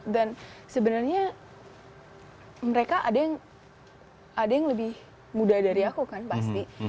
dan sebenarnya mereka ada yang lebih muda dari aku kan pasti